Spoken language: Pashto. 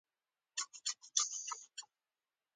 هغه د انګریزانو په زور خبر وو.